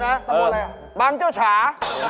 ตำบลอะไรบางเจ้าฉา